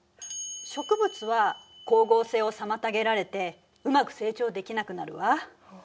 植物は光合成を妨げられてうまく成長できなくなるわ。